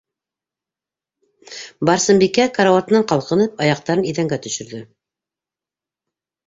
- Барсынбикә, карауатынан ҡалҡынып, аяҡтарын иҙәнгә төшөрҙө.